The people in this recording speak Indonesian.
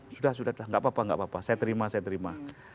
sudah sudah nggak apa apa saya terima saya terima